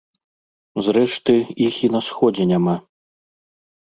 Зрэшты, іх і на сходзе няма.